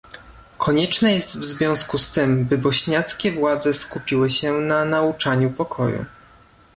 Konieczne jest w związku z tym, by bośniackie władze skupiły się na nauczaniu pokoju